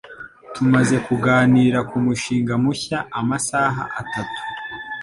Tumaze kuganira ku mushinga mushya amasaha atatu